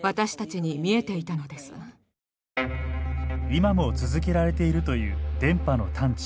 今も続けられているという電波の探知。